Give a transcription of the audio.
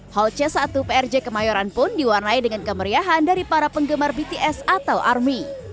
hall c satu prj kemayoran pun diwarnai dengan kemeriahan dari para penggemar bts atau army